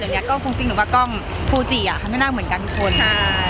เนี้ยกล้องฟุ้งฟิ้งหรือว่ากล้องฟูจิอ่ะค่ะไม่น่าเหมือนกันทุกคนใช่